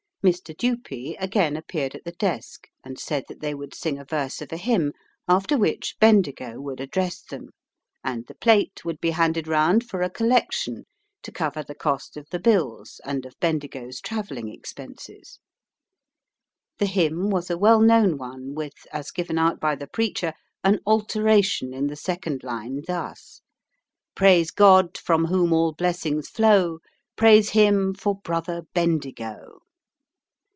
Mr. Dupee again appeared at the desk and said they would sing a verse of a hymn, after which Bendigo would address them, and the plate would be handed round for a collection to cover the cost of the bills and of Bendigo's travelling expenses. The hymn was a well known one, with, as given out by the preacher, an alteration in the second line thus: "Praise God from whom all blessings flow, Praise Him for brother Bendigo."